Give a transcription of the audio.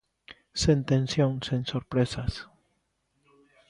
Sen tensión, sen sorpresas.